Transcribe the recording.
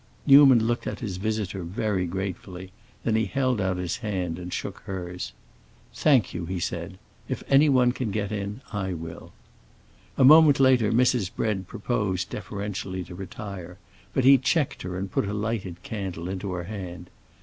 Newman looked at his visitor very gratefully; then he held out his hand and shook hers. "Thank you," he said. "If anyone can get in, I will." A moment later Mrs. Bread proposed, deferentially, to retire, but he checked her and put a lighted candle into her hand.